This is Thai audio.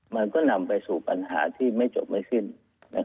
มันก็นำไปสู่ปัญหาที่ไม่จบไม่สิ้น